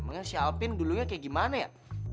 emangnya si alvin dulunya kayak gimana ya